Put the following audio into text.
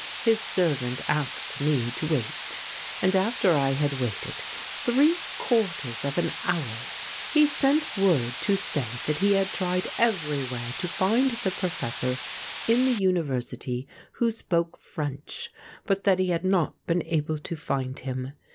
His servant asked me to wait, and after I had waited three quarters of an hour, he sent word to say that he had tried everywhere to find the professor in the University who spoke French, but that he had not been able to find him.